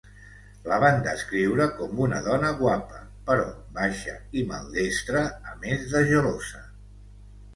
La van descriure com una dona guapa, però baixa i maldestra, a més de gelosa.